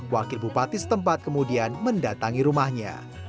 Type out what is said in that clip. wakil bupati setempat kemudian mendatangi rumahnya